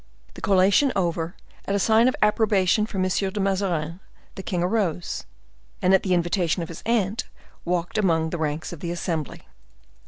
The collation over, at a sign of approbation from M. de Mazarin, the king arose, and, at the invitation of his aunt, walked about among the ranks of the assembly.